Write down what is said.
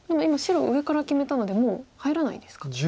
今白上から決めたのでもう入らないんですか。